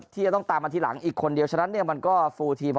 ที่จะต้องตามมาทีหลังอีกคนเดียวฉะนั้นเนี่ยมันก็ฟูลทีม